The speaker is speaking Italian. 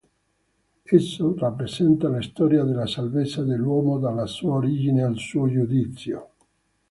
Esso rappresenta la storia della salvezza dell'uomo dalla sua origine al suo giudizio.